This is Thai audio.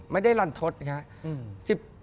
ไม่ได้รันทดนะครับ